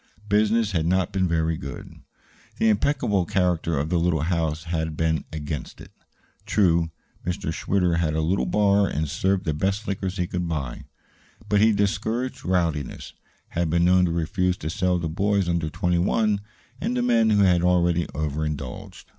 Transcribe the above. Business had not been very good. The impeccable character of the little house had been against it. True, Mr. Schwitter had a little bar and served the best liquors he could buy; but he discouraged rowdiness had been known to refuse to sell to boys under twenty one and to men who had already overindulged.